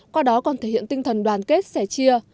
qua đó còn thể hiện tinh thần đoàn kết sẻ chia